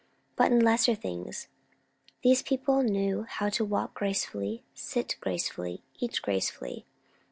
But in lesser things! These people knew how to walk gracefully, sit gracefully, eat gracefully.